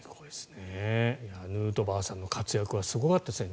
ヌートバーさんの活躍はすごかったですね。